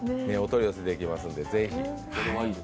お取り寄せできますので是非。